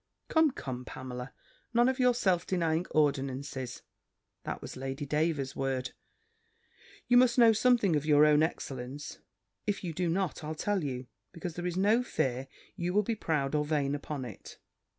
"Come, come, Pamela, none of your self denying ordinances," that was Lady Davers's word; "you must know something of your own excellence: if you do not, I'll tell it you, because there is no fear you will be proud or vain upon it.